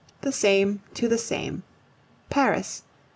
THE SAME TO THE SAME Paris, 1829.